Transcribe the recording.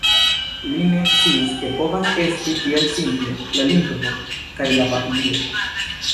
Li ne sciis, ke povas esti tiel simple, la lingvo, kaj la papilio.